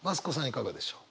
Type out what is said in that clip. いかがでしょう。